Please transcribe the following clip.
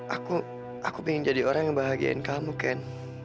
aku aku pengen jadi orang yang bahagiain kamu kan